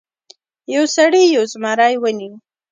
یو سړي یو زمری ونیو.